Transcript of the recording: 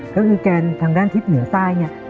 ก็คือแกนทางด้านทิศเหนือใต้เนี่ย